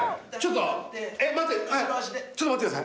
ちょっと待って下さい。